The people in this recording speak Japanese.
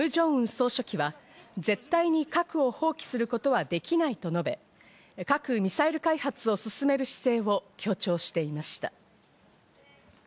総書記は絶対に核を放棄することはできないと述べ、核ミサイル開発を進める姿勢を強調していました。